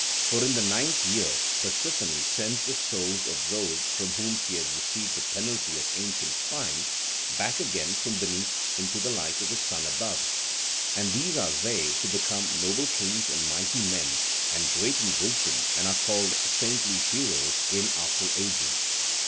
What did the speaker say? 'For in the ninth year Persephone sends the souls of those from whom she has received the penalty of ancient crime back again from beneath into the light of the sun above, and these are they who become noble kings and mighty men and great in wisdom and are called saintly heroes in after ages.'